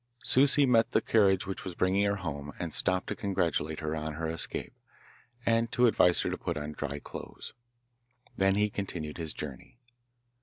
Souci met the carriage which was bringing her home, and stopped to congratulate her on her escape, and to advise her to put on dry clothes. Then he continued his journey.